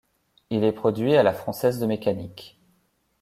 Il est produit à la Française de Mécanique.